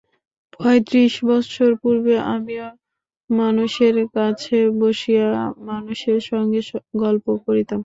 পঁয়ত্রিশ বৎসর পূর্বে আমিও মানুষের কাছে বসিয়া মানুষের সঙ্গে গল্প করিতাম।